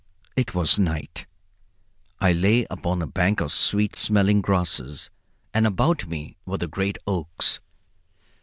It was night. I lay upon a bank of sweet smelling grasses, and about me were the great oaks.